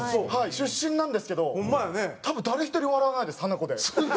出身なんですけど多分誰一人笑わないですハナコで。